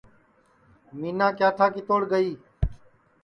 مِینا کِیاٹھا کِتوڑ گئی